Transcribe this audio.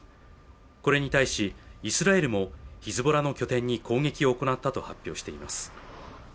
これに対し、イスラエルも、ヒズボラの拠点に攻撃を行ったと発表しています。